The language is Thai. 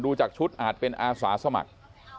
จากชุดอาจเป็นอาสาสมัคร